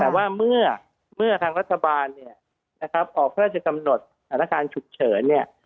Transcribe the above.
แต่ว่าเมื่อทางรัฐบาลเนี่ยนะครับออกพระราชกำหนดสถานการณ์ฉุกเฉินเนี่ย